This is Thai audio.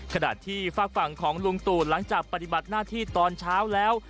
ขณะที่ฝากฝั่งของลุงตู่หลังจากปฏิบัติหน้าที่ตอนเช้าแล้ว